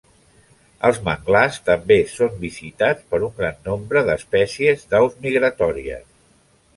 Els manglars també són visitats per un gran nombre d'espècies d'aus migratòries.